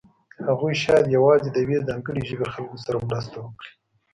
هغوی شاید یوازې د یوې ځانګړې ژبې خلکو سره مرسته وکړي.